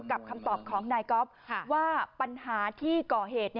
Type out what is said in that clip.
คำตอบของนายก๊อฟว่าปัญหาที่ก่อเหตุ